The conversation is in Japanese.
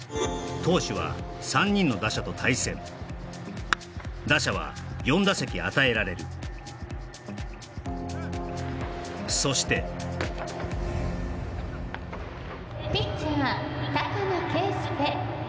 投手は３人の打者と対戦打者は４打席与えられるそしてピッチャー高野圭佑